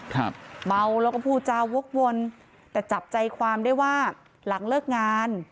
ครับเมาแล้วก็พูดจาวกวนแต่จับใจความได้ว่าหลังเลิกงาน